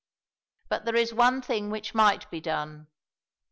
But there is one thing which might be done.